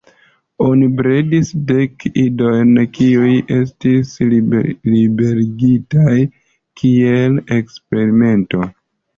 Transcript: Oni bredis dek idojn kiuj estis liberigitaj kiel eksperimento.